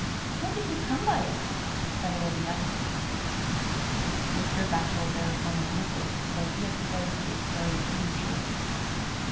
"How did you come by it?" said all the others. Mr. Batchel thereupon admitted that he had closed his story prematurely.